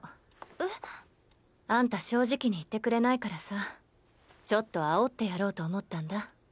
えっ？あんた正直に言ってくれないからさちょっとあおってやろうと思ったんだ。